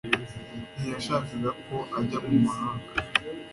Ntiyashakaga ko ajya mu mahanga